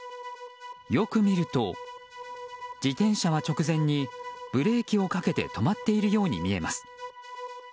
よく見ると自転車は直前にブレーキをかけて止まっているように見えます。